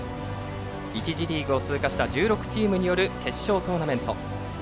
１次リーグを通過した１６チームによる決勝トーナメント。